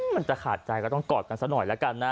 มันจะขาดใจก็ต้องกอดกันซะหน่อยแล้วกันนะ